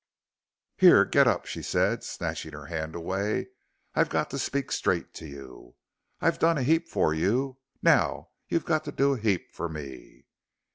"Here, get up," she said, snatching her hand away. "I've got to speak straight to you. I've done a heap for you, now you've got to do a heap for me."